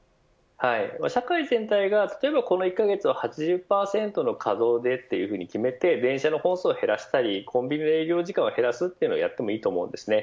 社会全体が例えばこの１カ月は８０％の稼働でと決めて電車の本数を減らしたりコンビニの営業時間を減らすというのはやってもいいと思います。